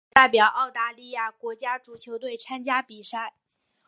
他也代表澳大利亚国家足球队参加比赛。